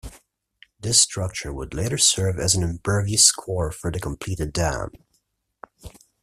This structure would later serve as an impervious core for the completed dam.